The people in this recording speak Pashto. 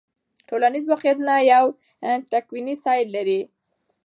ټولنیز واقعیتونه یو تکویني سیر لري.